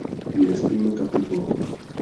Nesmíme kapitulovat.